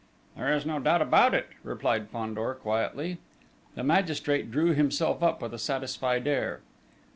"There is no doubt about it," replied Fandor quietly. The magistrate drew himself up with a satisfied air.